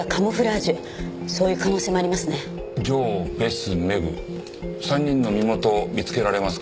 ジョーベスメグ３人の身元見つけられますか？